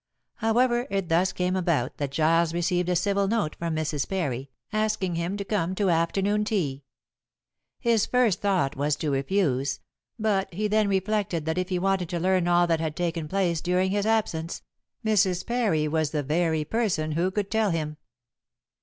However, it thus came about that Giles received a civil note from Mrs. Parry, asking him to come to afternoon tea. His first thought was to refuse, but he then reflected that if he wanted to learn all that had taken place during his absence, Mrs. Parry was the very person who could tell him.